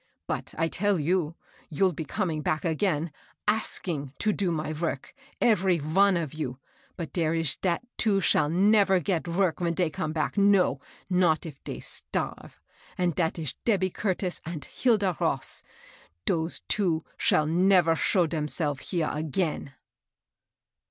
But, I tell you, you'll be coming back again, asking to do my vork — every von of you. But dere ish two dat shall never get vork ven dey come back, — no I not if dey starve ! and that ish Debby Curtis and Hilda Boss. Dose two shall never show demself here again."